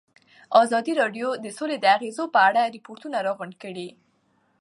ازادي راډیو د سوله د اغېزو په اړه ریپوټونه راغونډ کړي.